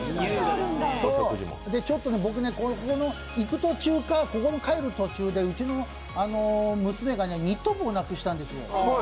ちょっと行く途中か、帰る途中でうちの娘がニット帽をなくしたんですよ。